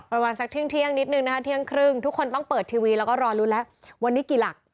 ประมาณสักเที่ยงนิดนึงนะคะเที่ยงครึ่งทุกคนต้องเปิดทีวีแล้วก็รอลุ้นแล้ววันนี้กี่หลัก